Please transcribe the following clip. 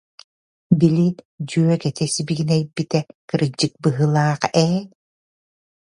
Били, дьүөгэтэ сибигинэйбитэ кырдьык быһыылаах ээ